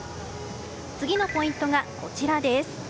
次のポイントがこちらです。